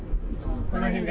その辺で？